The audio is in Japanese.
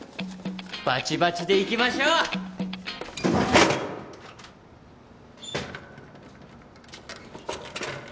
ばちばちでいきましょう！